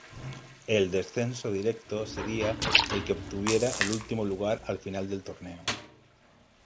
El descenso directo sería el que obtuviera el último lugar al final del torneo.